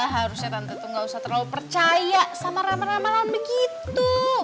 harusnya tante tuh gak usah terlalu percaya sama rame ramalan begitu